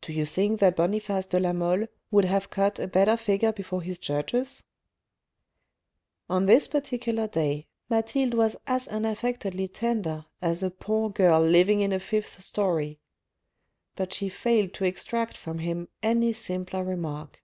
Do you think that Boniface de la Mole would have cut a better figure before his judges ?" On this particular day, Mathilde was as unaffectedly tender as a poor girl living in a fifth storey. But she failed to extract from him any simpler remark.